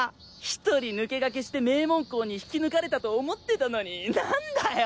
１人抜け駆けして名門校に引き抜かれたと思ってたのになんだよ！